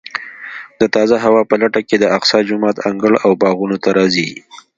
د تازه هوا په لټه کې د اقصی جومات انګړ او باغونو ته راځي.